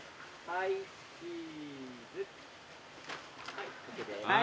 ・はいＯＫです。